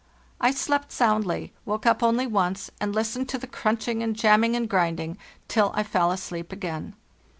"T slept soundly, woke up only once, and listened to the crunching and jamming and grinding till I fell asleep again.